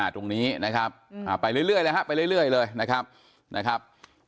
ตรงนี้นะครับไปเรื่อยเลยนะครับ